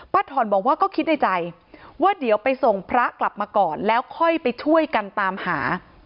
ถ่อนบอกว่าก็คิดในใจว่าเดี๋ยวไปส่งพระกลับมาก่อนแล้วค่อยไปช่วยกันตามหา